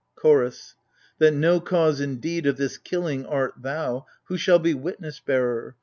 CHOROS. That no cause, indeed, of this killing art thou. Who shall be witness bearer